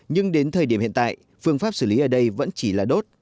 nhưng đến thời điểm hiện tại phương pháp xử lý ở đây vẫn chỉ là đốt